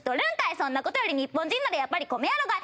そんな事より日本人ならやっぱり米やろがい！